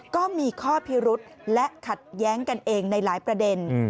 ก็มีข้อพิรุษและขัดแย้งกันเองในหลายประเด็น